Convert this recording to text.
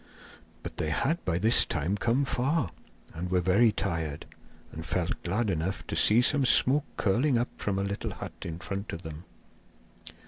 But they had by this time come far and were very tired, and felt glad enough to see some smoke curling up from a little hut in front of them.